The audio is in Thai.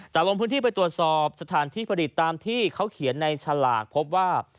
ลงพื้นที่ไปตรวจสอบสถานที่ผลิตตามที่เขาเขียนในฉลากพบว่า